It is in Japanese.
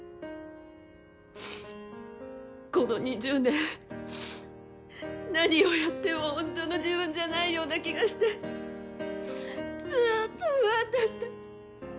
この２０年何をやっても本当の自分じゃないような気がしてずっと不安だった。